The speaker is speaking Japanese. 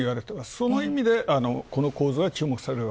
その意味で構図は注目される。